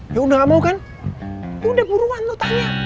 ya udah mau kan udah buruan lu tanya